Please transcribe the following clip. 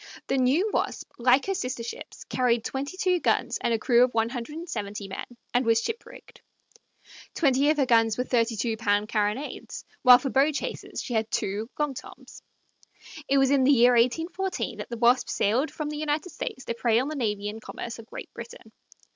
The new Wasp, like her sister ships, carried twenty two guns and a crew of one hundred and seventy men, and was ship rigged. Twenty of her guns were 32 pound carronades, while for bow chasers she had two "long Toms." It was in the year 1814 that the Wasp sailed from the United States to prey on the navy and commerce of Great Britain.